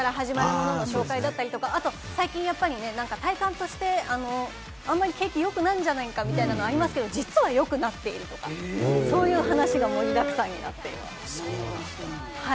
分かりますよ、新ＮＩＳＡって、来年から始まるものの紹介だったり、あと最近、体感としてあまり景気よくないんじゃないか、みたいなのありますけれども、実は良くなっているとか、そういう話が盛りだくさんになってます。